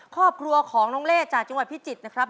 ครอบครัวของน้องเล่จากจังหวัดพิจิตรนะครับ